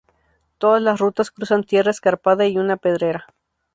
Todas las rutas cruzan tierra escarpada y una pedrera.